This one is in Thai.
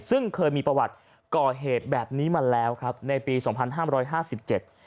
ซึ่งเคยมีประวัติก่อเหตุแบบนี้มาแล้วครับในปีสองพันห้ามร้อยห้าสิบเจ็ด